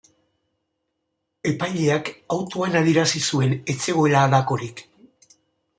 Epaileak autoan adierazi zuen ez zegoela halakorik.